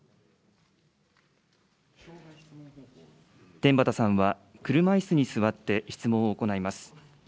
天畠さんは車いすに座って質問を行います。